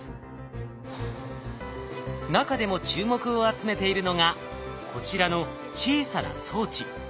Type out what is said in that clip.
中でも注目を集めているのがこちらの小さな装置。